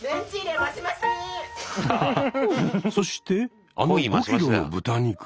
そしてあの５キロの豚肉は？